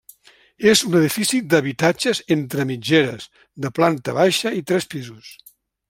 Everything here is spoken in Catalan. És un edifici d'habitatges entre mitgeres de planta baixa i tres pisos.